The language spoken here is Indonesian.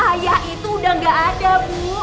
ayah itu udah gak ada bu